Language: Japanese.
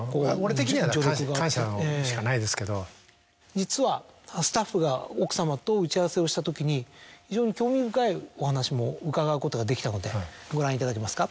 実はスタッフが奥様と打ち合わせをしたときに非常に興味深いお話も伺うことができたのでご覧いただけますか。